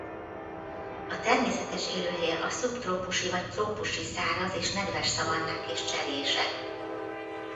A természetes élőhelye a szubtrópusi vagy trópusi száraz és nedves szavannák és cserjések.